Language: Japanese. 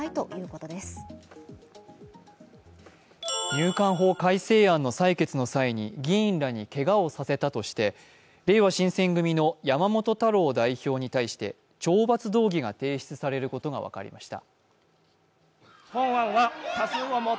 入管法改正案の採決の際に議員らにけがをさせたとしてれいわ新選組の山本太郎代表に対して、懲罰動議が提出されることが分かりました。